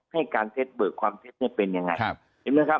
ได้การเท็จเบิ่งความเท็จได้เป็นยังไง